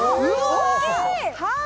大きい！